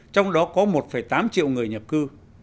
trong đó có một tám triệu người nhập cư